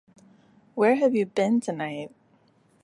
Where Have You Been Tonight?